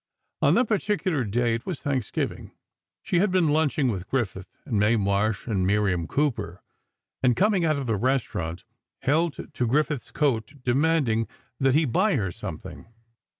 On that particular day—it was Thanksgiving—she had been lunching with Griffith and Mae Marsh and Miriam Cooper, and coming out of the restaurant, held to Griffith's coat, demanding that he buy her something.